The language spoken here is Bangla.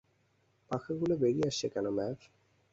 পাখাগুলো বেরিয়ে আসছে কেন, ম্যাভ?